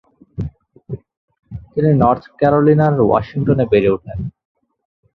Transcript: তিনি নর্থ ক্যারোলিনার ওয়াশিংটনে বেড়ে ওঠেন।